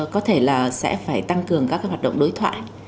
có thể là sẽ phải tăng cường các cái hoạt động đối thoại